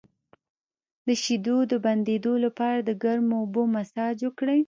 د شیدو د بندیدو لپاره د ګرمو اوبو مساج وکړئ